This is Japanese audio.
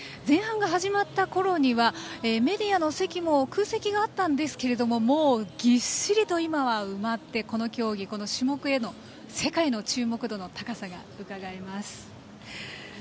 前半が始まったころにはメディアの席にも空席があったんですがもう、ぎっしりと今は埋まってこの競技、この種目への世界の注目度の高さが伺えます。